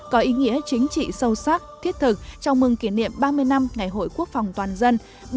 có ý nghĩa chính trị sâu sắc thiết thực chào mừng kỷ niệm ba mươi năm ngày hội quốc phòng toàn dân